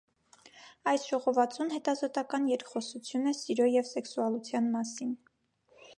Այս ժողովածուն հետազոտական երկխոսություն է սիրո և սեքսուալության մասին։